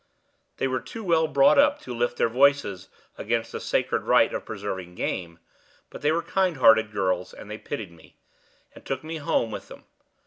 They were too well brought up to lift their voices against the sacred right of preserving game, but they were kind hearted girls, and they pitied me, and took me home with them.